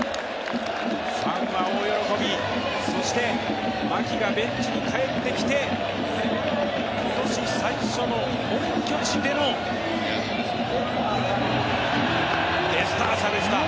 ファンは大喜び、そして牧がベンチに帰ってきて、今年最初の本拠地でのデスターシャでした。